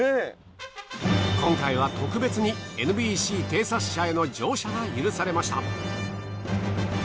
今回は特別にＮＢＣ偵察車への乗車が許されました。